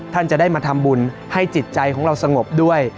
ท่านจะได้มาทำบุญให้จิตใจของเราสงบด้วย